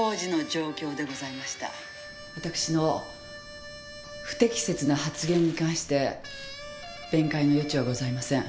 私の不適切な発言に関して弁解の余地はございません。